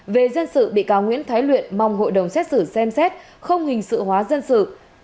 về dân sự bị cáo nguyễn thái luyện mong hội đồng xét xử xem xét không hình sự hóa dân sự